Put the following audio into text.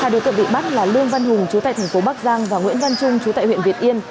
hai đối tượng bị bắt là lương văn hùng chú tại thành phố bắc giang và nguyễn văn trung chú tại huyện việt yên